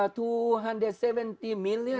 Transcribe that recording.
itu kuasa besar